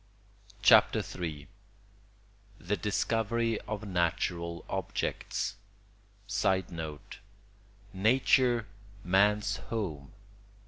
CHAPTER III—THE DISCOVERY OF NATURAL OBJECTS [Sidenote: Nature man's home.